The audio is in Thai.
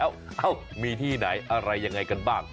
เอ้ามีที่ไหนอะไรยังไงกันบ้าง